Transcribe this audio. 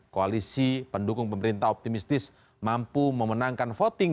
koalisi pendukung pemerintah optimistis mampu memenangkan voting